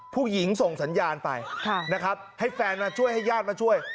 ผู้หญิงส่งสัญญาณไปให้แฟนมาช่วยให้ญาติมาช่วย